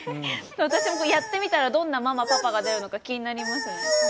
私もやってみたら、どんなママ・パパが出るのか気になります。